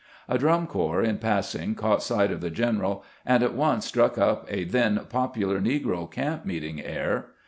A drum corps in passing caught sight of the general, and at once struck up a then popular negro camp meet ing air.